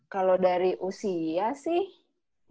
kalau dari usia sih